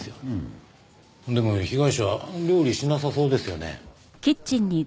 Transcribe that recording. でも被害者料理しなさそうですよね。